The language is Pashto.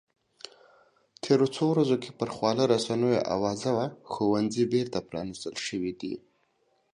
تېرو څو ورځو کې پر خواله رسنیو اوازه وه ښوونځي بېرته پرانیستل شوي دي